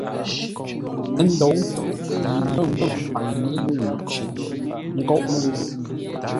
Ə́ ndǒu tʉ̌ yi mə́ngwə́nə paŋ mə́ mə́u shʉʼʉ ńkóʼ mə́u.